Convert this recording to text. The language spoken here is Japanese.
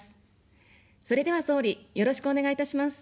それでは総理、よろしくお願いいたします。